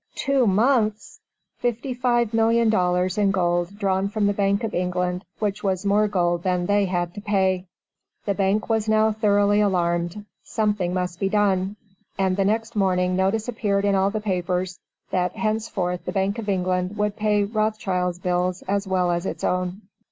Two months! Fifty five million dollars in gold drawn from the Bank of England which was more gold than they had to pay! The bank was now thoroughly alarmed. Something must be done, and the next morning notice appeared in all the papers that henceforth the Bank of England would pay Rothschild's bills as well as its own.